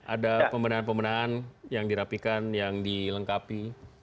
ada pembelaan pembelaan yang dirapikan yang dilengkapi